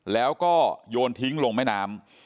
แล้วก็โยนทิ้งลงใบนาม